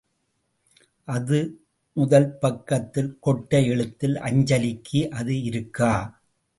அதில் முதல் பக்கத்தில் கொட்டை எழுத்தில் அஞ்சலிக்கு அது இருக்கா?